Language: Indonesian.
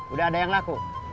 udah ada yang laku